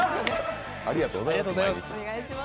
ありがとうございます。